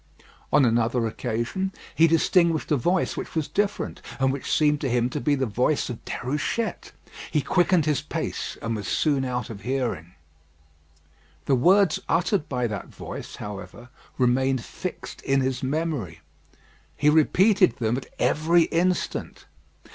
On another occasion, he distinguished a voice which was different, and which seemed to him to be the voice of Déruchette. He quickened his pace, and was soon out of hearing. The words uttered by that voice, however, remained fixed in his memory. He repeated them at every instant.